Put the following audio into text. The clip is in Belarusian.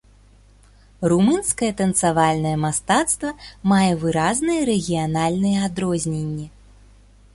Румынскае танцавальнае мастацтва мае выразныя рэгіянальныя адрозненні.